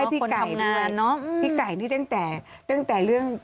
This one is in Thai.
ให้พี่ไก่ด้วยพี่ไก่ที่ตั้งแต่เรื่อง